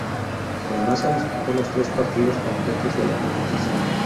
El "Maza" disputó los tres partidos completos de la competición.